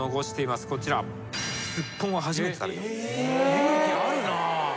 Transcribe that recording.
勇気あるなぁ。